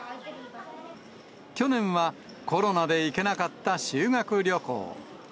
去年はコロナで行けなかった修学旅行。